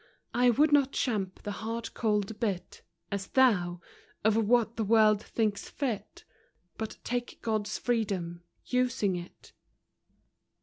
I would not champ the hard cold bit, As thou, — of what the world thinks fit,— But take God's freedom, using it.